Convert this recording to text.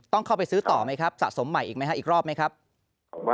ต้องเข้าไปซื้อต่อไหมสะสมใหม่อีกรอบไหม